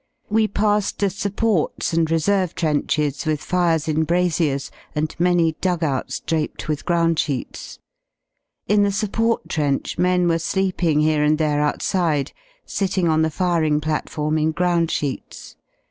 We passed the supports and reserve trenches with fires in braziers and many dugouts draped with groundsheets. In the support trench men were sleeping here and there outside, sitting on the firing platform in groundsheets.